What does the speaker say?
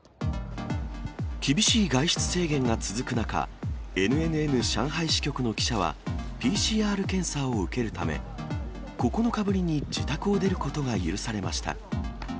厳しい外出制限が続く中、ＮＮＮ上海支局の記者は、ＰＣＲ検査を受けるため、９日ぶりに自宅を出ることが許されました。